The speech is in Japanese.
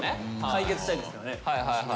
解決したいですからね。